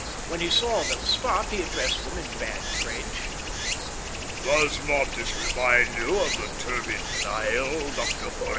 When he saw them stop, he addressed them in bad French. "Does not this remind you of the turbid Nile, Dr Porhoët?"